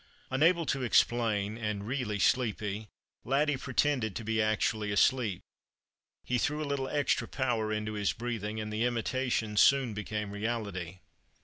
L^nable to explain, and really sleepy, Laddie pretended to be actually asleep. He threw a little extra power into his breathhig, and the imitation soon became reality.